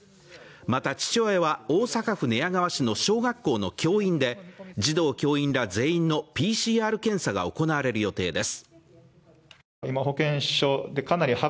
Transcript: また、父親は大阪府寝屋川市の小学校の教員で児童・教員ら全員のＰＣＲ検査が行われる予定です。